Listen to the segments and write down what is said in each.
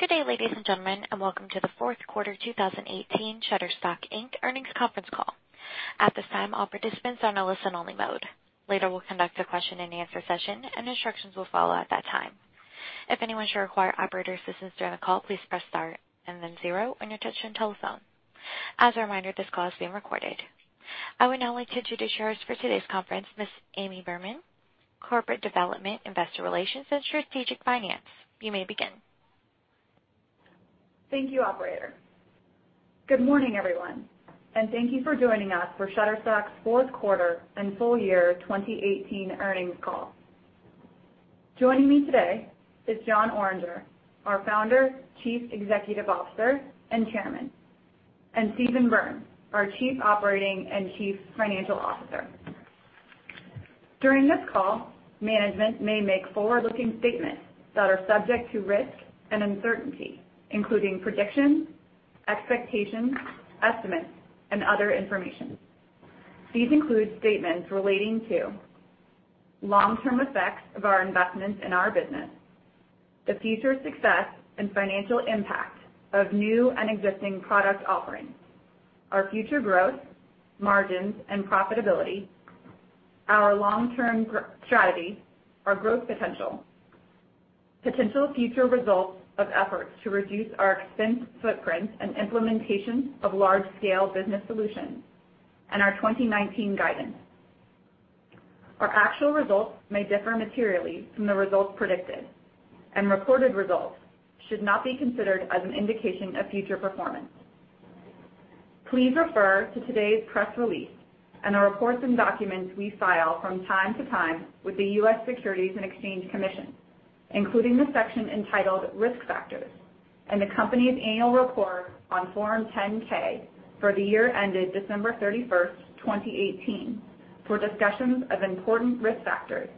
Good day, ladies and gentlemen, and welcome to the fourth quarter 2018 Shutterstock, Inc. earnings conference call. At this time, all participants are in a listen-only mode. Later, we will conduct a question and answer session, and instructions will follow at that time. If anyone should require operator assistance during the call, please Press Star and then zero on your touch-tone telephone. As a reminder, this call is being recorded. I would now like to introduce yours for today's conference, Ms. Amy Behrman, Corporate Development, Investor Relations, and Strategic Finance. You may begin. Thank you, operator. Good morning, everyone, and thank you for joining us for Shutterstock's fourth quarter and full year 2018 earnings call. Joining me today is Jon Oringer, our Founder, Chief Executive Officer, and Chairman, and Steven Berns, our Chief Operating and Chief Financial Officer. During this call, management may make forward-looking statements that are subject to risk and uncertainty, including predictions, expectations, estimates, and other information. These include statements relating to long-term effects of our investments in our business, the future success and financial impact of new and existing product offerings, our future growth, margins, and profitability, our long-term strategy, our growth potential future results of efforts to reduce our expense footprint and implementation of large-scale business solutions, and our 2019 guidance. Our actual results may differ materially from the results predicted, and reported results should not be considered as an indication of future performance. Please refer to today's press release and the reports and documents we file from time to time with the U.S. Securities and Exchange Commission, including the section entitled Risk Factors, and the company's annual report on Form 10-K for the year ended December 31st, 2018, for discussions of important risk factors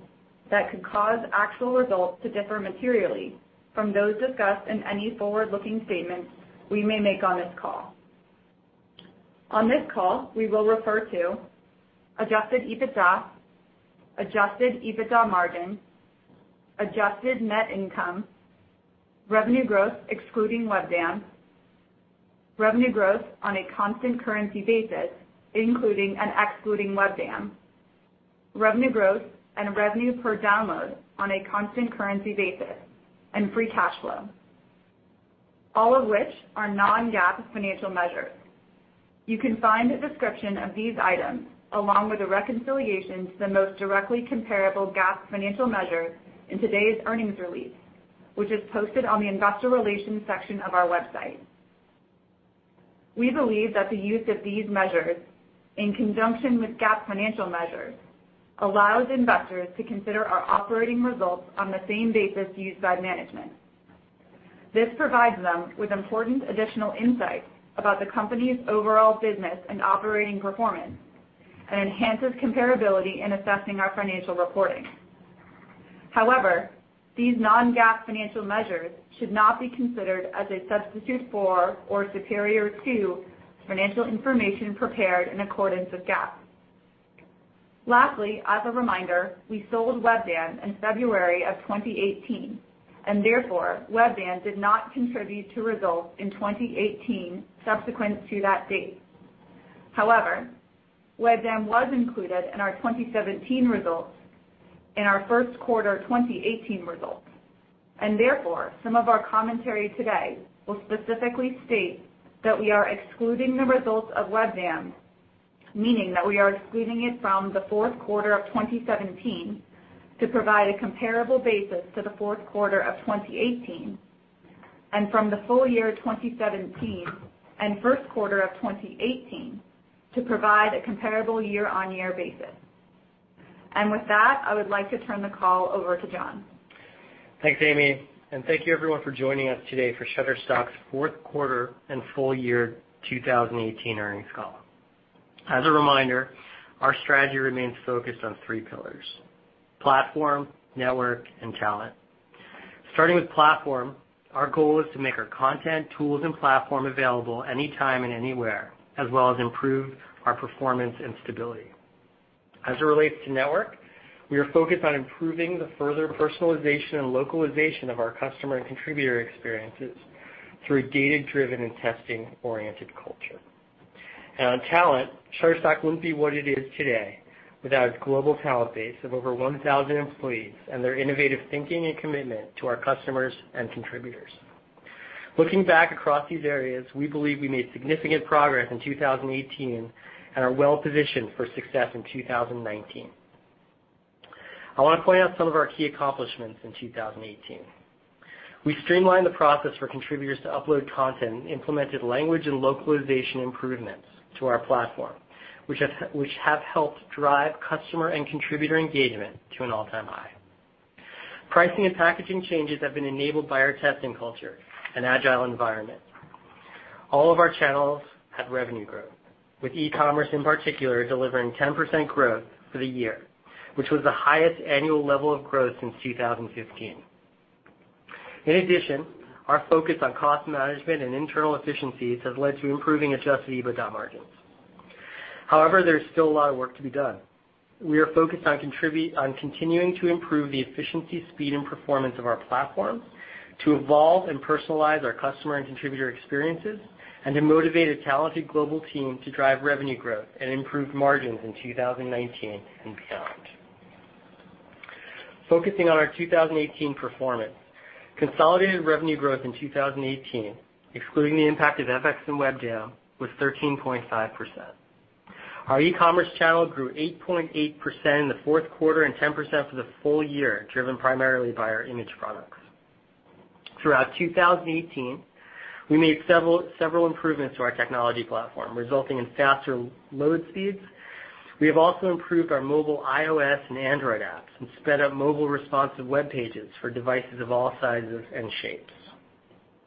that could cause actual results to differ materially from those discussed in any forward-looking statements we may make on this call. On this call, we will refer to adjusted EBITDA, adjusted EBITDA margin, adjusted net income, revenue growth excluding WebDAM, revenue growth on a constant currency basis including and excluding WebDAM, revenue growth and revenue per download on a constant currency basis, and free cash flow, all of which are non-GAAP financial measures. You can find a description of these items along with a reconciliation to the most directly comparable GAAP financial measure in today's earnings release, which is posted on the investor relations section of our website. We believe that the use of these measures, in conjunction with GAAP financial measures, allows investors to consider our operating results on the same basis used by management. This provides them with important additional insights about the company's overall business and operating performance and enhances comparability in assessing our financial reporting. However, these non-GAAP financial measures should not be considered as a substitute for or superior to financial information prepared in accordance with GAAP. Lastly, as a reminder, we sold WebDAM in February of 2018, therefore, WebDAM did not contribute to results in 2018 subsequent to that date. WebDAM was included in our 2017 results and our first quarter 2018 results, therefore, some of our commentary today will specifically state that we are excluding the results of WebDAM, meaning that we are excluding it from the fourth quarter of 2017 to provide a comparable basis to the fourth quarter of 2018, and from the full year 2017 and first quarter of 2018 to provide a comparable year-on-year basis. With that, I would like to turn the call over to Jon. Thanks, Amy. Thank you everyone for joining us today for Shutterstock's fourth quarter and full year 2018 earnings call. As a reminder, our strategy remains focused on three pillars, platform, network, and talent. Starting with platform, our goal is to make our content, tools, and platform available anytime and anywhere, as well as improve our performance and stability. As it relates to network, we are focused on improving the further personalization and localization of our customer and contributor experiences through a data-driven and testing-oriented culture. On talent, Shutterstock wouldn't be what it is today without its global talent base of over 1,000 employees and their innovative thinking and commitment to our customers and contributors. Looking back across these areas, we believe we made significant progress in 2018 and are well positioned for success in 2019. I want to point out some of our key accomplishments in 2018. We streamlined the process for contributors to upload content and implemented language and localization improvements to our platform, which have helped drive customer and contributor engagement to an all-time high. Pricing and packaging changes have been enabled by our testing culture and agile environment. All of our channels had revenue growth, with e-commerce in particular delivering 10% growth for the year, which was the highest annual level of growth since 2015. In addition, our focus on cost management and internal efficiencies has led to improving adjusted EBITDA margins. There's still a lot of work to be done. We are focused on continuing to improve the efficiency, speed, and performance of our platform, to evolve and personalize our customer and contributor experiences, and to motivate a talented global team to drive revenue growth and improve margins in 2019 and beyond. Focusing on our 2018 performance, consolidated revenue growth in 2018, excluding the impact of FX and WebDAM, was 13.5%. Our e-commerce channel grew 8.8% in the fourth quarter and 10% for the full year, driven primarily by our image products. Throughout 2018, we made several improvements to our technology platform, resulting in faster load speeds. We have also improved our mobile iOS and Android apps and sped up mobile responsive web pages for devices of all sizes and shapes.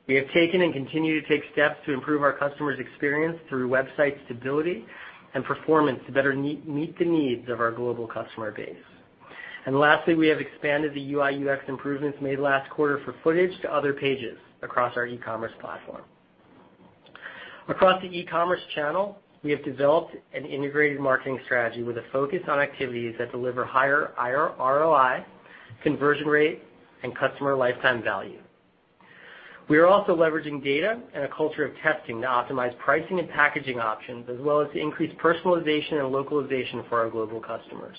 We have taken and continue to take steps to improve our customers' experience through website stability and performance to better meet the needs of our global customer base. Lastly, we have expanded the UI/UX improvements made last quarter for footage to other pages across our e-commerce platform. Across the e-commerce channel, we have developed an integrated marketing strategy with a focus on activities that deliver higher ROI, conversion rate, and customer lifetime value. We are also leveraging data and a culture of testing to optimize pricing and packaging options, as well as to increase personalization and localization for our global customers.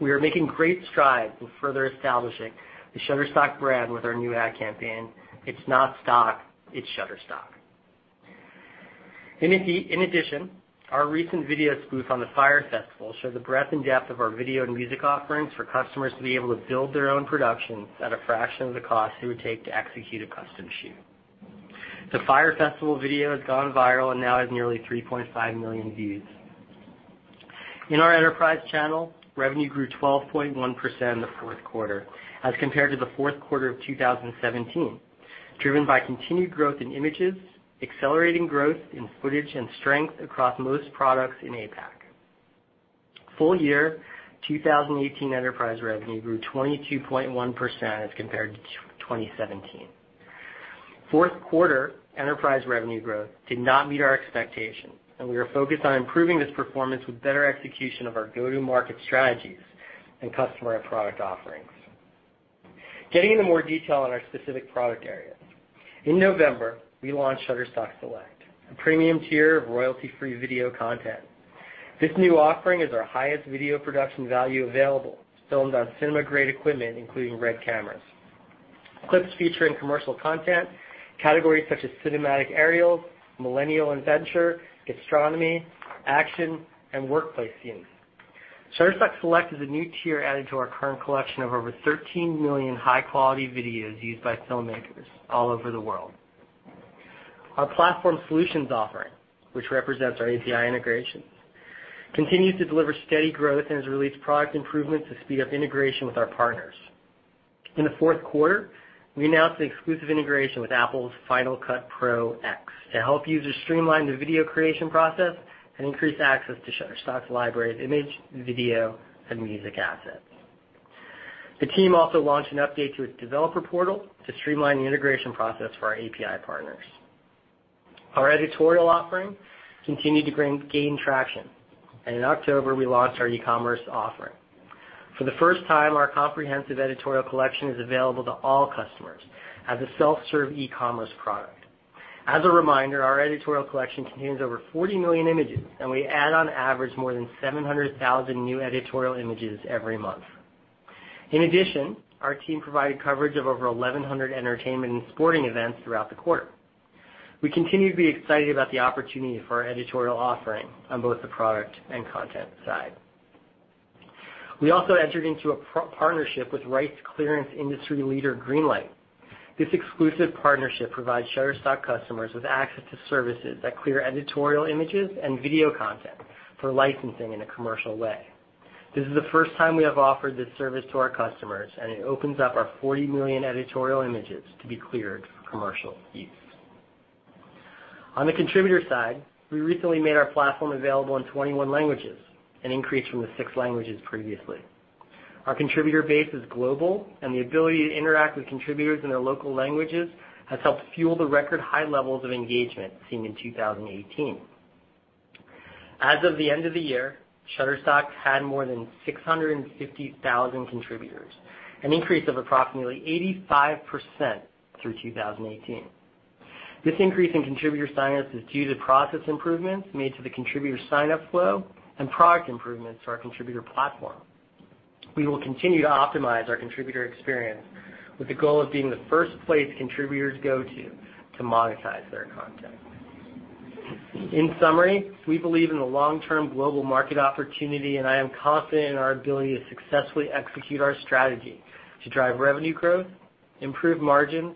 We are making great strides in further establishing the Shutterstock brand with our new ad campaign, It's not stock, it's Shutterstock. In addition, our recent video spoof on the Fyre Festival showed the breadth and depth of our video and music offerings for customers to be able to build their own productions at a fraction of the cost it would take to execute a custom shoot. The Fyre Festival video has gone viral and now has nearly 3.5 million views. In our enterprise channel, revenue grew 12.1% in the fourth quarter as compared to the fourth quarter of 2017, driven by continued growth in images, accelerating growth in footage, and strength across most products in APAC. Full year 2018 enterprise revenue grew 22.1% as compared to 2017. Fourth quarter enterprise revenue growth did not meet our expectations, and we are focused on improving this performance with better execution of our go-to-market strategies and customer and product offerings. Getting into more detail on our specific product areas. In November, we launched Shutterstock Select, a premium tier of royalty-free video content. This new offering is our highest video production value available, filmed on cinema-grade equipment, including RED cameras. Clips feature in commercial content, categories such as cinematic aerials, millennial adventure, gastronomy, action, and workplace scenes. Shutterstock Select is a new tier added to our current collection of over 13 million high-quality videos used by filmmakers all over the world. Our platform solutions offering, which represents our API integrations, continues to deliver steady growth and has released product improvements to speed up integration with our partners. In the fourth quarter, we announced the exclusive integration with Apple's Final Cut Pro X to help users streamline the video creation process and increase access to Shutterstock's library of image, video, and music assets. The team also launched an update to its developer portal to streamline the integration process for our API partners. Our editorial offering continued to gain traction, and in October, we launched our e-commerce offering. For the first time, our comprehensive editorial collection is available to all customers as a self-serve e-commerce product. As a reminder, our editorial collection contains over 40 million images, and we add on average more than 700,000 new editorial images every month. In addition, our team provided coverage of over 1,100 entertainment and sporting events throughout the quarter. We continue to be excited about the opportunity for our editorial offering on both the product and content side. We also entered into a partnership with rights clearance industry leader Greenlight. This exclusive partnership provides Shutterstock customers with access to services that clear editorial images and video content for licensing in a commercial way. This is the first time we have offered this service to our customers, and it opens up our 40 million editorial images to be cleared for commercial use. On the contributor side, we recently made our platform available in 21 languages, an increase from the six languages previously. Our contributor base is global, and the ability to interact with contributors in their local languages has helped fuel the record high levels of engagement seen in 2018. As of the end of the year, Shutterstock had more than 650,000 contributors, an increase of approximately 85% through 2018. This increase in contributor signups is due to process improvements made to the contributor signup flow and product improvements to our contributor platform. We will continue to optimize our contributor experience with the goal of being the first place contributors go to monetize their content. In summary, we believe in the long-term global market opportunity, and I am confident in our ability to successfully execute our strategy to drive revenue growth, improve margins,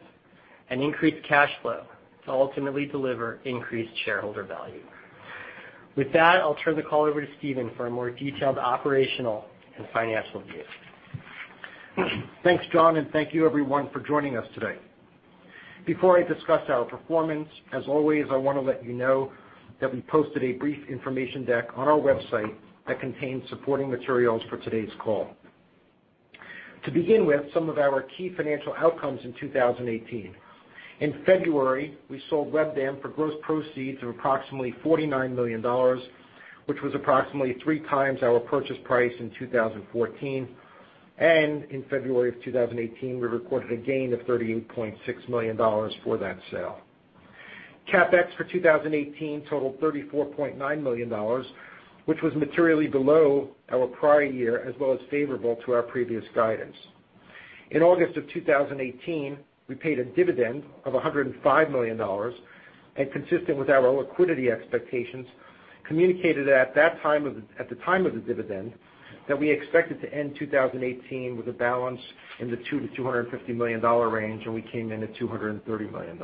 and increase cash flow to ultimately deliver increased shareholder value. With that, I'll turn the call over to Steven for a more detailed operational and financial view. Thanks, Jon, and thank you everyone for joining us today. Before I discuss our performance, as always, I want to let you know that we posted a brief information deck on our website that contains supporting materials for today's call. To begin with, some of our key financial outcomes in 2018. In February, we sold WebDAM for gross proceeds of approximately $49 million, which was approximately three times our purchase price in 2014. In February of 2018, we recorded a gain of $38.6 million for that sale. CapEx for 2018 totaled $34.9 million, which was materially below our prior year, as well as favorable to our previous guidance. In August of 2018, we paid a dividend of $105 million. Consistent with our liquidity expectations, communicated at the time of the dividend that we expected to end 2018 with a balance in the $200 million-$250 million range, and we came in at $230 million.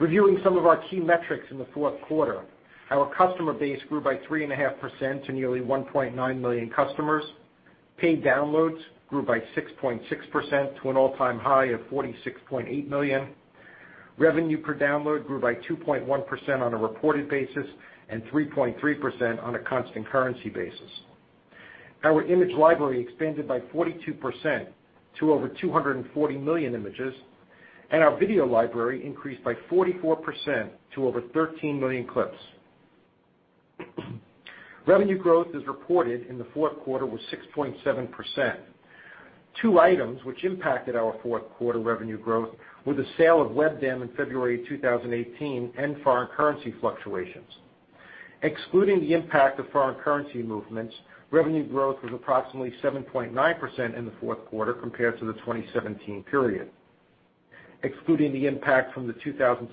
Reviewing some of our key metrics in the fourth quarter. Our customer base grew by 3.5% to nearly 1.9 million customers. Paid downloads grew by 6.6% to an all-time high of 46.8 million. Revenue per download grew by 2.1% on a reported basis and 3.3% on a constant currency basis. Our image library expanded by 42% to over 240 million images, and our video library increased by 44% to over 13 million clips. Revenue growth is reported in the fourth quarter was 6.7%. Two items which impacted our fourth quarter revenue growth were the sale of WebDAM in February 2018 and foreign currency fluctuations. Excluding the impact of foreign currency movements, revenue growth was approximately 7.9% in the fourth quarter compared to the 2017 period. Excluding the impact of WebDAM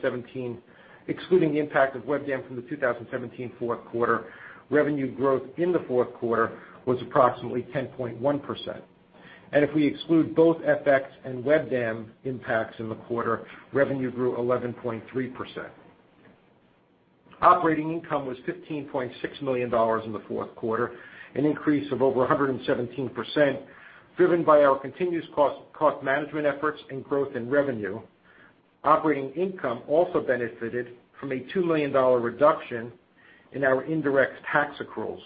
from the 2017 fourth quarter, revenue growth in the fourth quarter was approximately 10.1%. If we exclude both FX and WebDAM impacts in the quarter, revenue grew 11.3%. Operating income was $15.6 million in the fourth quarter, an increase of over 117%, driven by our continuous cost management efforts and growth in revenue. Operating income also benefited from a $2 million reduction in our indirect tax accruals.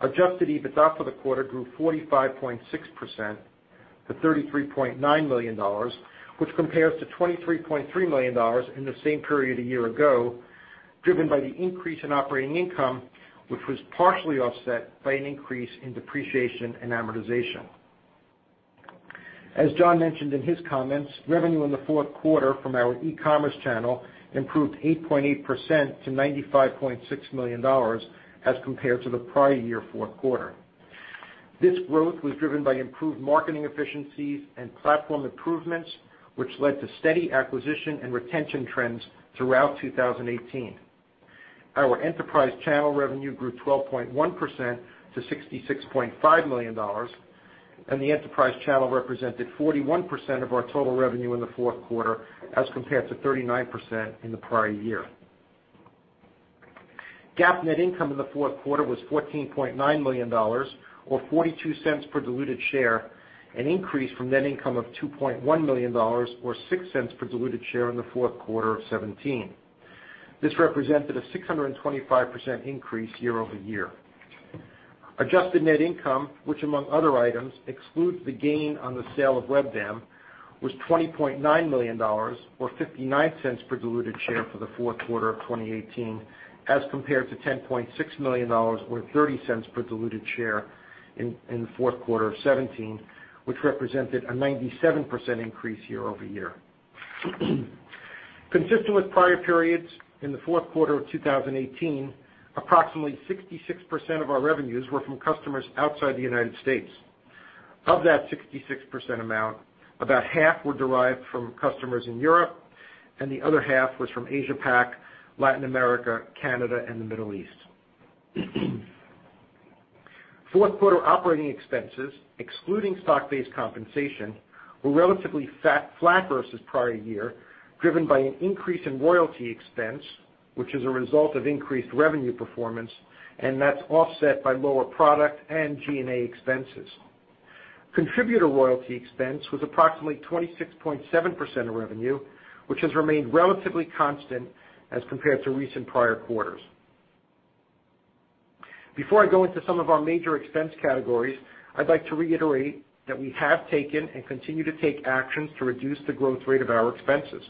Adjusted EBITDA for the quarter grew 45.6%-$33.9 million, which compares to $23.3 million in the same period a year ago, driven by the increase in operating income, which was partially offset by an increase in depreciation and amortization. As Jon mentioned in his comments, revenue in the fourth quarter from our e-commerce channel improved 8.8% to $95.6 million as compared to the prior year fourth quarter. This growth was driven by improved marketing efficiencies and platform improvements, which led to steady acquisition and retention trends throughout 2018. Our enterprise channel revenue grew 12.1% to $66.5 million, and the enterprise channel represented 41% of our total revenue in the fourth quarter, as compared to 39% in the prior year. GAAP net income in the fourth quarter was $14.9 million, or $0.42 per diluted share, an increase from net income of $2.1 million or $0.06 per diluted share in the fourth quarter of 2017. This represented a 625% increase year-over-year. Adjusted net income, which among other items excludes the gain on the sale of WebDAM, was $20.9 million, or $0.59 per diluted share for the fourth quarter of 2018, as compared to $10.6 million or $0.30 per diluted share in the fourth quarter of 2017, which represented a 97% increase year-over-year. Consistent with prior periods, in the fourth quarter of 2018, approximately 66% of our revenues were from customers outside the United States. Of that 66% amount, about half were derived from customers in Europe, and the other half was from Asia-Pac, Latin America, Canada, and the Middle East. Fourth quarter operating expenses, excluding stock-based compensation, were relatively flat versus prior year, driven by an increase in royalty expense, which is a result of increased revenue performance, and that's offset by lower product and G&A expenses. Contributor royalty expense was approximately 26.7% of revenue, which has remained relatively constant as compared to recent prior quarters. Before I go into some of our major expense categories, I'd like to reiterate that we have taken and continue to take actions to reduce the growth rate of our expenses.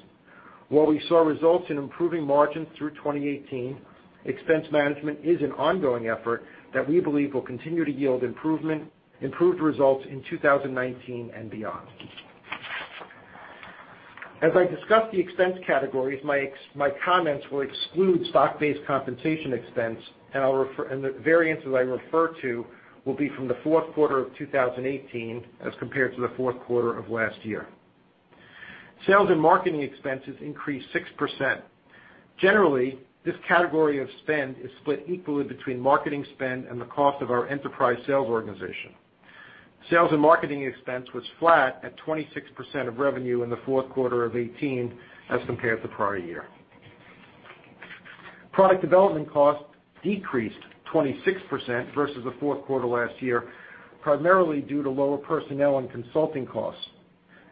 While we saw results in improving margins through 2018, expense management is an ongoing effort that we believe will continue to yield improved results in 2019 and beyond. As I discuss the expense categories, my comments will exclude stock-based compensation expense, and the variances I refer to will be from the fourth quarter of 2018 as compared to the fourth quarter of last year. Sales and marketing expenses increased 6%. Generally, this category of spend is split equally between marketing spend and the cost of our enterprise sales organization. Sales and marketing expense was flat at 26% of revenue in the fourth quarter of 2018 as compared to prior year. Product development costs decreased 26% versus the fourth quarter last year, primarily due to lower personnel and consulting costs.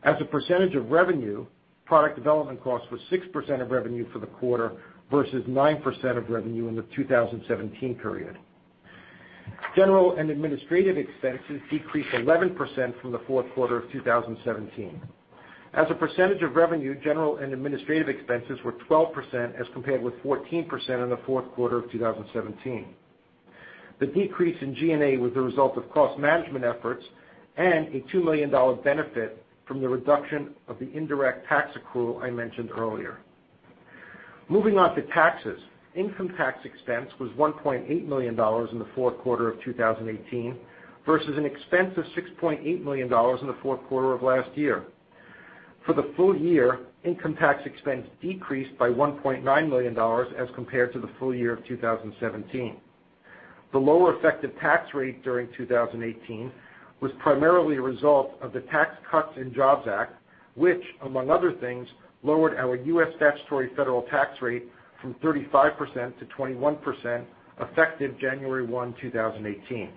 As a percentage of revenue, product development cost was 6% of revenue for the quarter versus 9% of revenue in the 2017 period. General and Administrative expenses decreased 11% from the fourth quarter of 2017. As a percentage of revenue, general and administrative expenses were 12% as compared with 14% in the fourth quarter of 2017. The decrease in G&A was the result of cost management efforts and a $2 million benefit from the reduction of the indirect tax accrual I mentioned earlier. Moving on to taxes. Income tax expense was $1.8 million in the fourth quarter of 2018 versus an expense of $6.8 million in the fourth quarter of last year. For the full year, income tax expense decreased by $1.9 million as compared to the full year of 2017. The lower effective tax rate during 2018 was primarily a result of the Tax Cuts and Jobs Act, which, among other things, lowered our U.S. statutory federal tax rate from 35%-21%, effective January 1, 2018.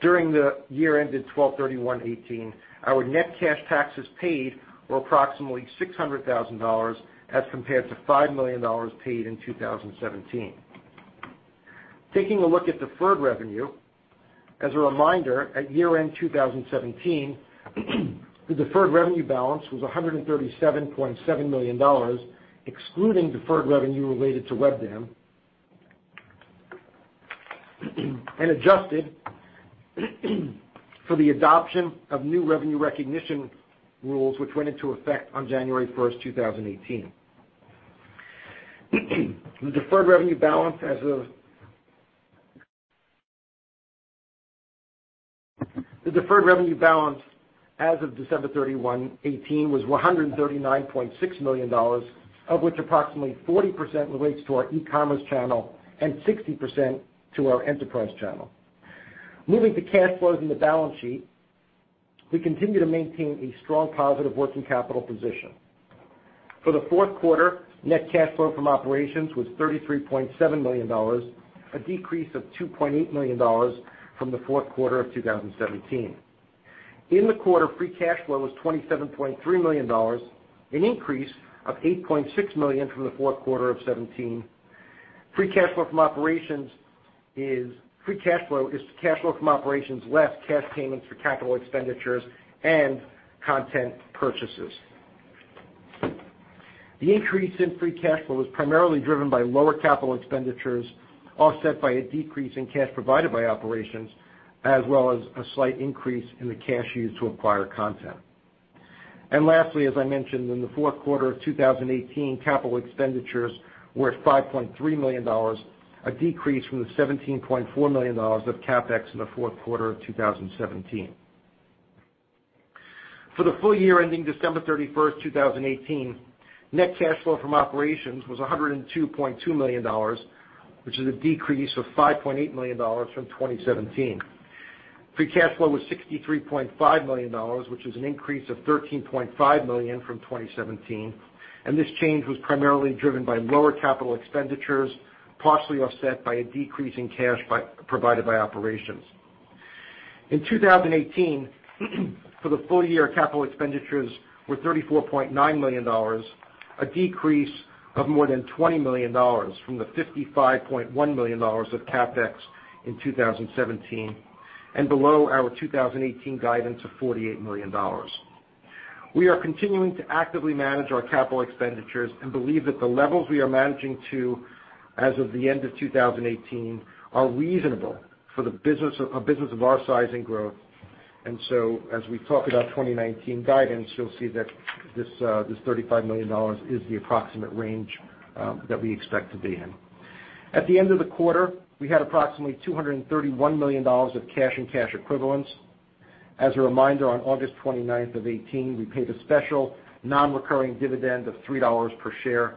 During the year ended 12/31/2018, our net cash taxes paid were approximately $600,000 as compared to $5 million paid in 2017. Taking a look at deferred revenue, as a reminder, at year-end 2017, the deferred revenue balance was $137.7 million, excluding deferred revenue related to WebDAM, and adjusted for the adoption of new revenue recognition rules, which went into effect on January 1st, 2018. The deferred revenue balance as of December 31, 2018 was $139.6 million, of which approximately 40% relates to our e-commerce channel and 60% to our enterprise channel. Moving to cash flows in the balance sheet, we continue to maintain a strong positive working capital position. For the fourth quarter, net cash flow from operations was $33.7 million, a decrease of $2.8 million from the fourth quarter of 2017. In the quarter, free cash flow was $27.3 million, an increase of $8.6 million from the fourth quarter of 2017. Free cash flow is cash flow from operations less cash payments for capital expenditures and content purchases. The increase in free cash flow is primarily driven by lower capital expenditures, offset by a decrease in cash provided by operations, as well as a slight increase in the cash used to acquire content. Lastly, as I mentioned, in the fourth quarter of 2018, capital expenditures were $5.3 million, a decrease from the $17.4 million of CapEx in the fourth quarter of 2017. For the full year ending December 31, 2018, net cash flow from operations was $102.2 million, which is a decrease of $5.8 million from 2017. Free cash flow was $63.5 million, which is an increase of $13.5 million from 2017. This change was primarily driven by lower capital expenditures, partially offset by a decrease in cash provided by operations. In 2018, for the full year, capital expenditures were $34.9 million, a decrease of more than $20 million from the $55.1 million of CapEx in 2017, and below our 2018 guidance of $48 million. We are continuing to actively manage our capital expenditures and believe that the levels we are managing to as of the end of 2018 are reasonable for a business of our size and growth. As we talk about 2019 guidance, you'll see that this $35 million is the approximate range that we expect to be in. At the end of the quarter, we had approximately $231 million of cash and cash equivalents. As a reminder, on August 29th of 2018, we paid a special non-recurring dividend of $3 per share,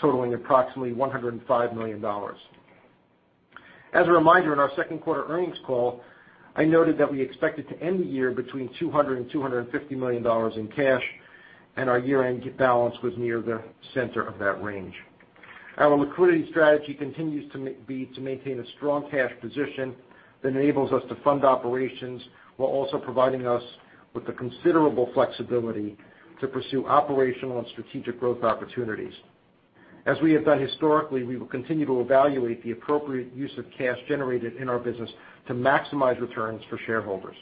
totaling approximately $105 million. As a reminder, in our second quarter earnings call, I noted that we expected to end the year between $200 million and $250 million in cash, and our year-end balance was near the center of that range. Our liquidity strategy continues to be to maintain a strong cash position that enables us to fund operations while also providing us with the considerable flexibility to pursue operational and strategic growth opportunities. As we have done historically, we will continue to evaluate the appropriate use of cash generated in our business to maximize returns for shareholders.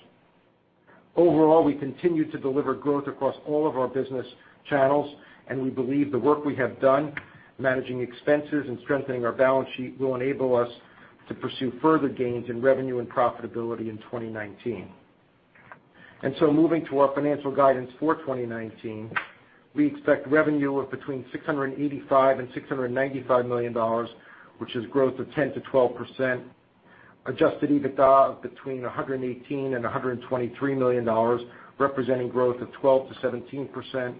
Overall, we continue to deliver growth across all of our business channels, and we believe the work we have done managing expenses and strengthening our balance sheet will enable us to pursue further gains in revenue and profitability in 2019. Moving to our financial guidance for 2019, we expect revenue of between $685 million and $695 million, which is growth of 10%-12%. Adjusted EBITDA of between $118 million and $123 million, representing growth of 12%-17%.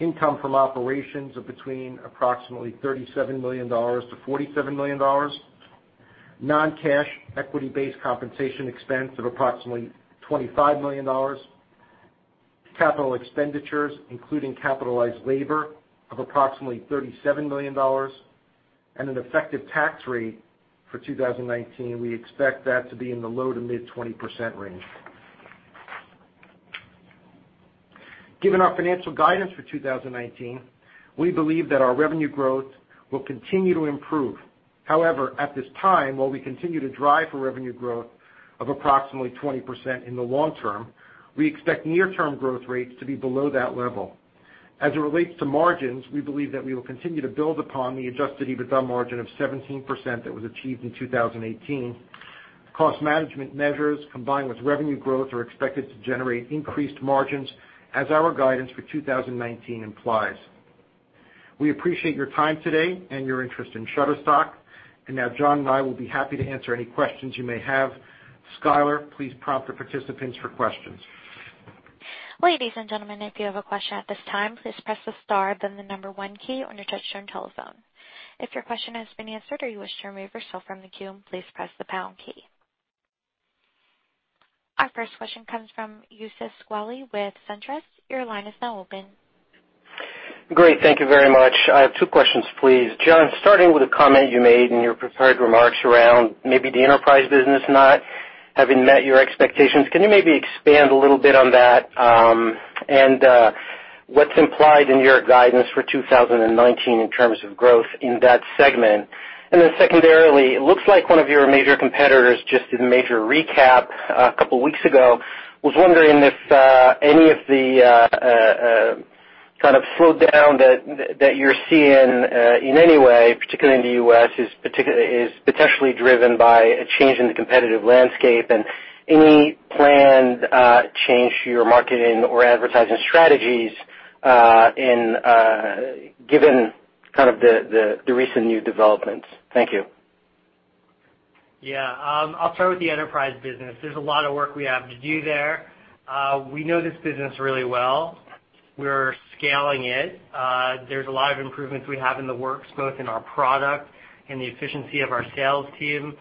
Income from operations of between approximately $37 million-$47 million. Non-cash equity-based compensation expense of approximately $25 million. Capital expenditures, including capitalized labor, of approximately $37 million. An effective tax rate for 2019, we expect that to be in the low to mid-20% range. Given our financial guidance for 2019, we believe that our revenue growth will continue to improve. However, at this time, while we continue to drive for revenue growth of approximately 20% in the long term, we expect near-term growth rates to be below that level. As it relates to margins, we believe that we will continue to build upon the adjusted EBITDA margin of 17% that was achieved in 2018. Cost management measures, combined with revenue growth, are expected to generate increased margins as our guidance for 2019 implies. We appreciate your time today and your interest in Shutterstock. Now, Jon and I will be happy to answer any questions you may have. Skyler, please prompt the participants for questions. Ladies and gentlemen, if you have a question at this time, please press the star, then the number 1 key on your touchtone telephone. If your question has been answered or you wish to remove yourself from the queue, please press the pound key. Our first question comes from Youssef Squali with SunTrust. Your line is now open. Great. Thank you very much. I have two questions, please. Jon, starting with a comment you made in your prepared remarks around maybe the enterprise business not having met your expectations, can you maybe expand a little bit on that, and what's implied in your guidance for 2019 in terms of growth in that segment? Secondarily, it looks like one of your major competitors just did a major recap a couple weeks ago. Was wondering if any of the kind of slowdown that you're seeing in any way, particularly in the U.S., is potentially driven by a change in the competitive landscape. Any planned change to your marketing or advertising strategies given kind of the recent new developments? Thank you. Yeah. I'll start with the enterprise business. There's a lot of work we have to do there. We know this business really well. We're scaling it. There's a lot of improvements we have in the works, both in our product and the efficiency of our sales team.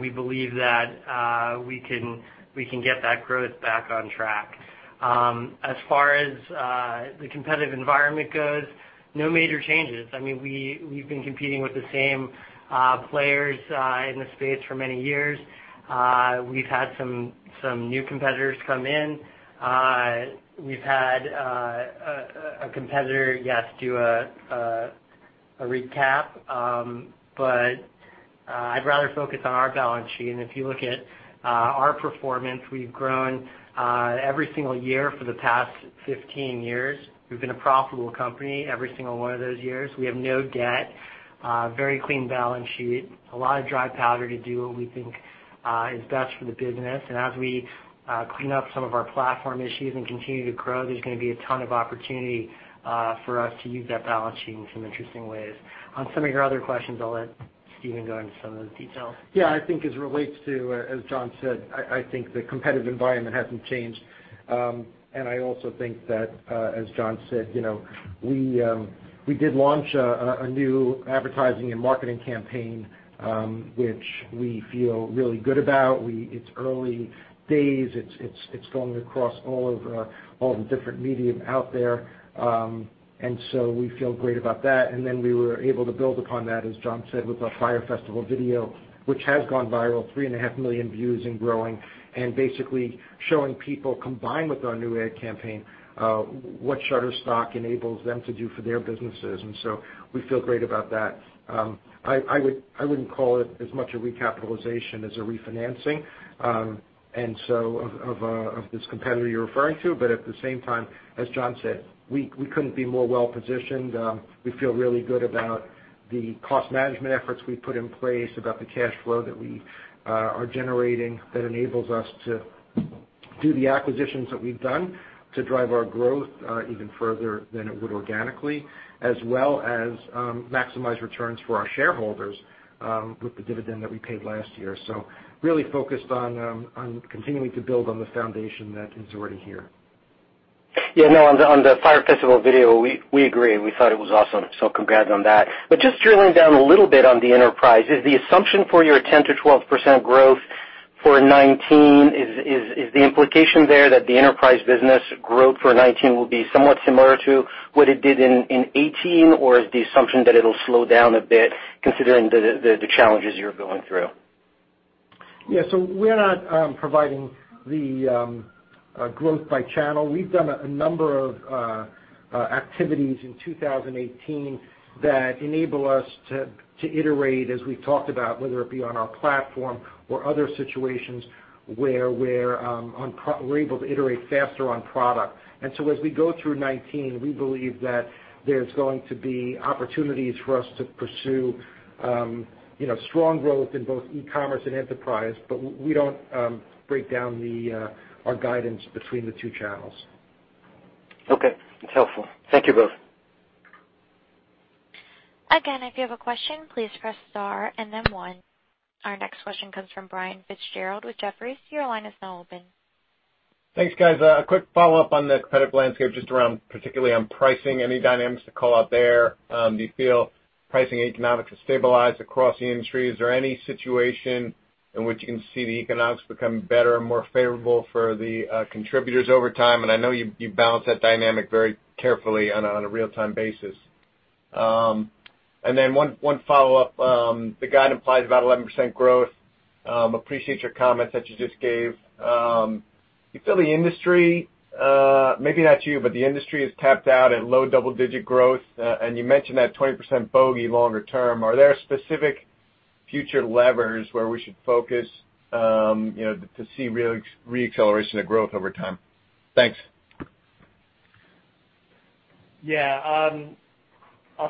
We believe that we can get that growth back on track. As far as the competitive environment goes, no major changes. We've been competing with the same players in the space for many years. We've had some new competitors come in. We've had a competitor, yes, do a recap, but I'd rather focus on our balance sheet. If you look at our performance, we've grown every single year for the past 15 years. We've been a profitable company every single one of those years. We have no debt. Very clean balance sheet. A lot of dry powder to do what we think is best for the business. As we clean up some of our platform issues and continue to grow, there's going to be a ton of opportunity for us to use that balance sheet in some interesting ways. On some of your other questions, I'll let Steven go into some of the details. Yeah, I think as relates to, as Jon said, I think the competitive environment hasn't changed. I also think that, as Jon said, we did launch a new advertising and marketing campaign, which we feel really good about. It's early days. It's going across all the different medium out there. So we feel great about that. Then we were able to build upon that, as Jon said, with our Fyre Festival video, which has gone viral, three and a half million views and growing. Basically showing people, combined with our new ad campaign, what Shutterstock enables them to do for their businesses. So we feel great about that. I wouldn't call it as much a recapitalization as a refinancing of this competitor you're referring to. At the same time, as Jon said, we couldn't be more well-positioned. We feel really good about the cost management efforts we've put in place, about the cash flow that we are generating that enables us to do the acquisitions that we've done to drive our growth even further than it would organically, as well as maximize returns for our shareholders with the dividend that we paid last year. Really focused on continuing to build on the foundation that is already here. Yeah, on the Fyre Festival video, we agree. We thought it was awesome. Congrats on that. Just drilling down a little bit on the enterprise, is the assumption for your 10%-12% growth for 2019, is the implication there that the enterprise business growth for 2019 will be somewhat similar to what it did in 2018? Or is the assumption that it'll slow down a bit considering the challenges you're going through? Yeah. We're not providing the growth by channel. We've done a number of activities in 2018 that enable us to iterate, as we've talked about, whether it be on our platform or other situations where we're able to iterate faster on product. As we go through 2019, we believe that there's going to be opportunities for us to pursue strong growth in both e-commerce and enterprise, but we don't break down our guidance between the two channels. Okay. That's helpful. Thank you both. Again, if you have a question, please Press Star and then one. Our next question comes from Brian Fitzgerald with Jefferies. Your line is now open. Thanks, guys. A quick follow-up on the competitive landscape, just around particularly on pricing. Any dynamics to call out there? Do you feel pricing economics have stabilized across the industry? Is there any situation in which you can see the economics become better and more favorable for the contributors over time. I know you balance that dynamic very carefully on a real-time basis. Then one follow-up. The guide implies about 11% growth. Appreciate your comments that you just gave. You feel the industry, maybe not you, but the industry is tapped out at low double-digit growth, and you mentioned that 20% bogey longer term. Are there specific future levers where we should focus to see re-acceleration of growth over time? Thanks. Yeah. A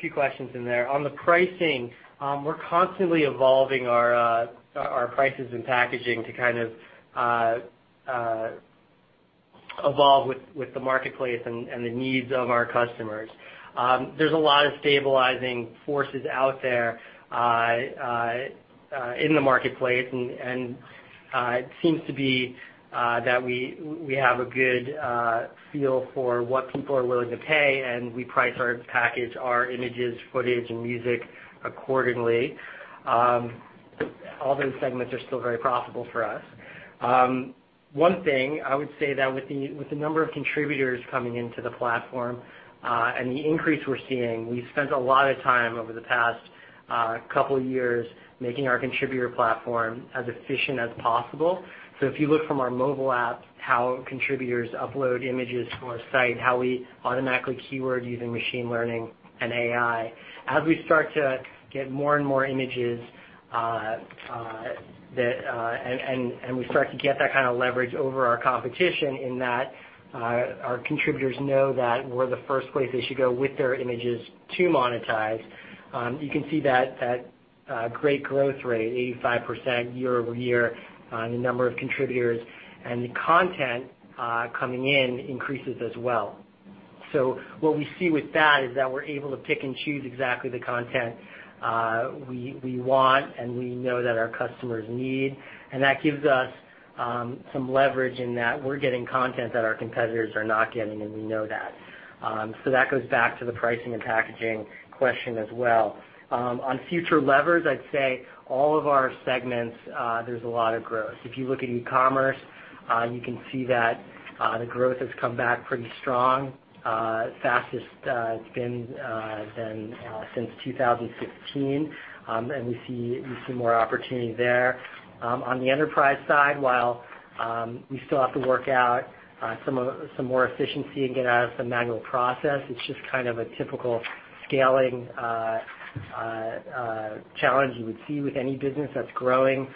few questions in there. On the pricing, we're constantly evolving our prices and packaging to kind of evolve with the marketplace and the needs of our customers. There's a lot of stabilizing forces out there in the marketplace, and it seems to be that we have a good feel for what people are willing to pay, and we price our package, our images, footage, and music accordingly. All those segments are still very profitable for us. One thing I would say that with the number of contributors coming into the platform, and the increase we're seeing, we've spent a lot of time over the past couple years making our contributor platform as efficient as possible. If you look from our mobile app, how contributors upload images to our site, how we automatically keyword using machine learning and AI. As we start to get more and more images, and we start to get that kind of leverage over our competition in that our contributors know that we're the first place they should go with their images to monetize. You can see that great growth rate, 85% year-over-year, on the number of contributors, and the content coming in increases as well. What we see with that is that we're able to pick and choose exactly the content we want and we know that our customers need, and that gives us some leverage in that we're getting content that our competitors are not getting, and we know that. That goes back to the pricing and packaging question as well. On future levers, I'd say all of our segments, there's a lot of growth. If you look at e-commerce, you can see that the growth has come back pretty strong, fastest it's been since 2016. We see more opportunity there. On the enterprise side, while we still have to work out some more efficiency and get out of some manual process, it's just kind of a typical scaling challenge you would see with any business that's growing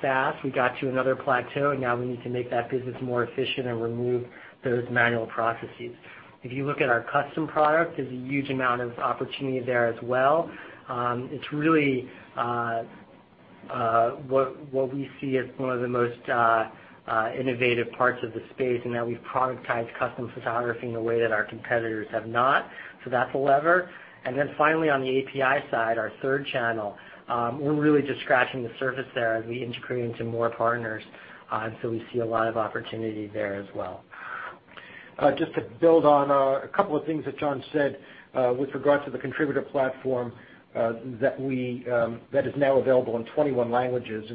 fast. We got to another plateau. Now we need to make that business more efficient and remove those manual processes. If you look at our custom product, there's a huge amount of opportunity there as well. It's really what we see as one of the most innovative parts of the space in that we've productized custom photography in a way that our competitors have not. That's a lever. Finally, on the API side, our third channel, we're really just scratching the surface there as we integrate into more partners. We see a lot of opportunity there as well. Just to build on a couple of things that Jon said, with regard to the contributor platform, that is now available in 21 languages,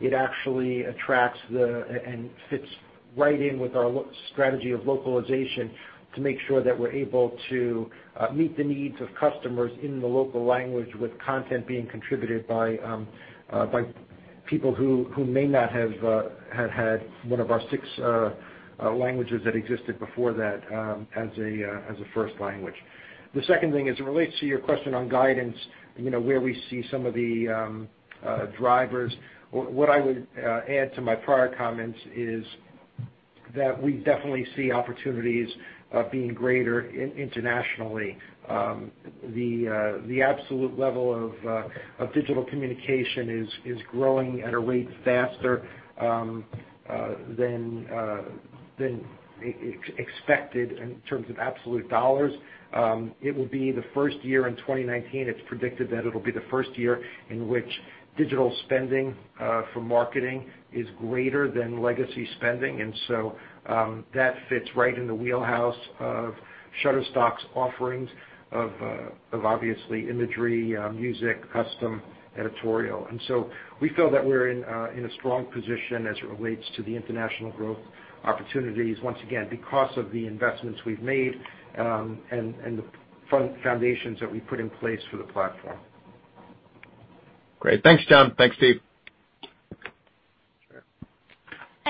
it actually attracts and fits right in with our strategy of localization to make sure that we're able to meet the needs of customers in the local language with content being contributed by people who may not have had one of our six languages that existed before that as a first language. The second thing as it relates to your question on guidance, where we see some of the drivers, what I would add to my prior comments is that we definitely see opportunities being greater internationally. The absolute level of digital communication is growing at a rate faster than expected in terms of absolute dollars. It will be the first year in 2019, it's predicted that it'll be the first year in which digital spending for marketing is greater than legacy spending. That fits right in the wheelhouse of Shutterstock's offerings of obviously imagery, music, custom, editorial. We feel that we're in a strong position as it relates to the international growth opportunities, once again, because of the investments we've made, and the foundations that we put in place for the platform. Great. Thanks, Jon. Thanks, Steven.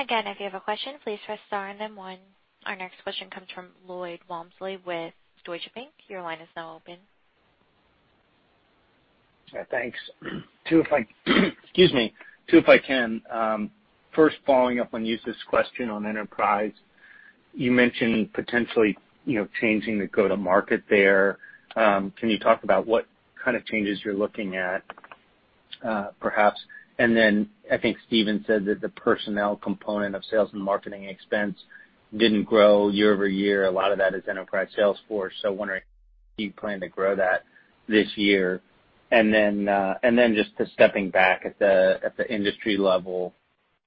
Sure. If you have a question, please press star and then one. Our next question comes from Lloyd Walmsley with Deutsche Bank. Your line is now open. Thanks. Excuse me. Two, if I can. First following up on Youssef's question on enterprise. You mentioned potentially changing the go-to-market there. Can you talk about what kind of changes you're looking at perhaps? I think Steven said that the personnel component of sales and marketing expense didn't grow year-over-year. A lot of that is enterprise sales force, wondering if you plan to grow that this year. Just to stepping back at the industry level.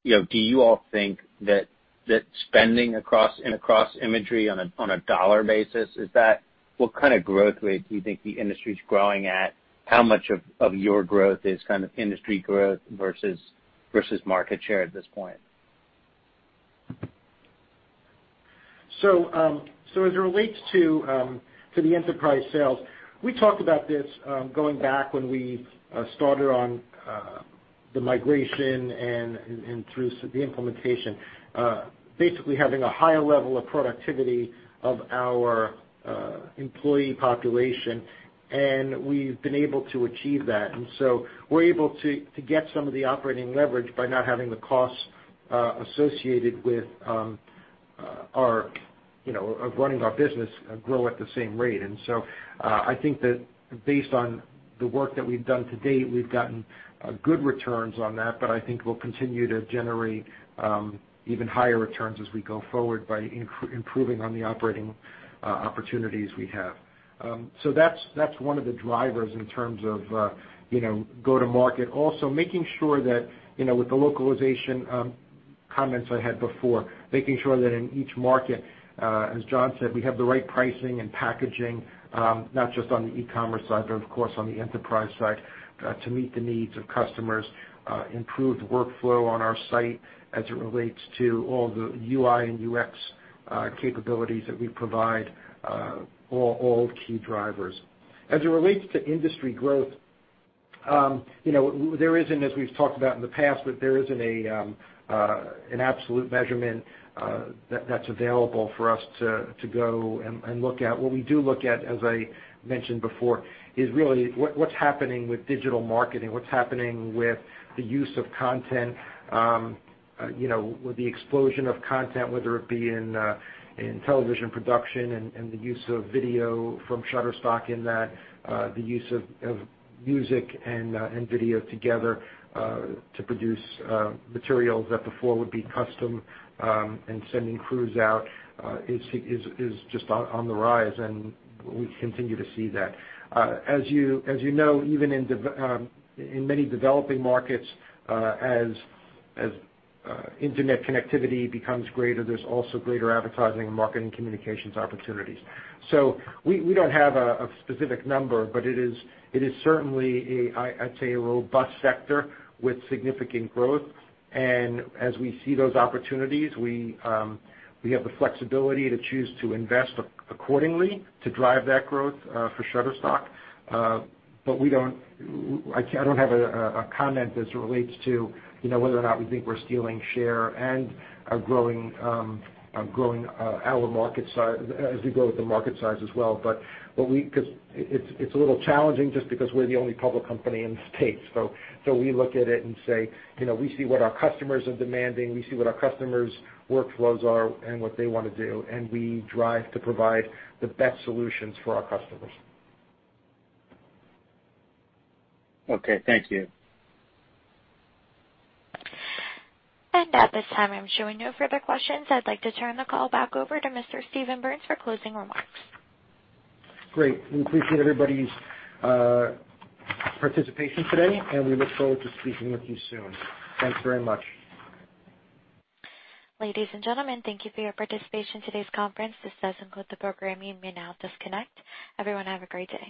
Do you all think that spending across imagery on a dollar basis, what kind of growth rate do you think the industry's growing at? How much of your growth is kind of industry growth versus market share at this point? As it relates to the enterprise sales, we talked about this going back when we started on the migration and through the implementation. Basically, having a higher level of productivity of our employee population, and we've been able to achieve that. We're able to get some of the operating leverage by not having the costs associated with running our business grow at the same rate. I think that based on the work that we've done to date, we've gotten good returns on that, but I think we'll continue to generate even higher returns as we go forward by improving on the operating opportunities we have. That's one of the drivers in terms of go-to-market. making sure that with the localization comments I had before, making sure that in each market, as Jon said, we have the right pricing and packaging, not just on the e-commerce side, but of course, on the enterprise side, to meet the needs of customers, improve the workflow on our site as it relates to all the UI and UX capabilities that we provide, are all key drivers. As it relates to industry growth, as we've talked about in the past, there isn't an absolute measurement that's available for us to go and look at. What we do look at, as I mentioned before, is really what's happening with digital marketing, what's happening with the use of content, with the explosion of content, whether it be in television production and the use of video from Shutterstock in that. The use of music and video together, to produce materials that before would be custom, and sending crews out, is just on the rise, and we continue to see that. As you know, even in many developing markets, as internet connectivity becomes greater, there's also greater advertising and marketing communications opportunities. We don't have a specific number, but it is certainly, I'd say, a robust sector with significant growth. As we see those opportunities, we have the flexibility to choose to invest accordingly to drive that growth for Shutterstock. I don't have a comment as it relates to whether or not we think we're stealing share and are growing our market size as we grow with the market size as well. Because it's a little challenging just because we're the only public company in the U.S. We look at it and say, we see what our customers are demanding, we see what our customers' workflows are and what they want to do, and we drive to provide the best solutions for our customers. Thank you. At this time, I'm showing no further questions. I'd like to turn the call back over to Mr. Steven Berns for closing remarks. Great. We appreciate everybody's participation today, we look forward to speaking with you soon. Thanks very much. Ladies and gentlemen, thank you for your participation in today's conference. This does conclude the program. You may now disconnect. Everyone, have a great day.